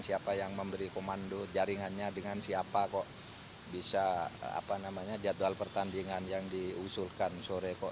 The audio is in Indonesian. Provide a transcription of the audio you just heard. siapa yang memberi komando jaringannya dengan siapa kok bisa jadwal pertandingan yang diusulkan sore kok